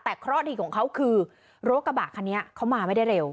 แต่เคราะห์ดีของเขาคือรถกระบะคันนี้เขามาไม่ได้เร็ว